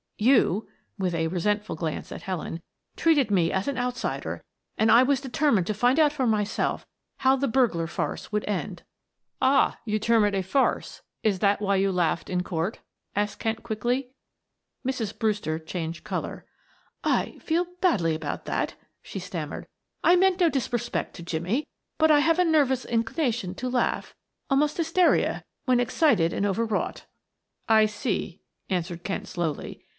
You," with a resentful glance at Helen, "treated me as an outsider, and I was determined to find out for myself how the burglar farce would end." "Ah, you term it a farce is that why you laughed in court?" asked Kent quickly. Mrs. Brewster changed color. "I feel badly about that," she stammered. "I meant no disrespect to Jimmie, but I have a nervous inclination to laugh almost hysteria when excited and overwrought." "I see," answered Kent slowly.